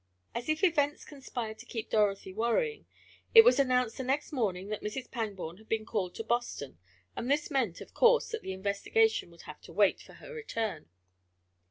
As if events conspired to keep Dorothy worrying, it was announced the next morning that Mrs. Pangborn had been called to Boston and this meant, of course, that the investigation would have to wait for her return.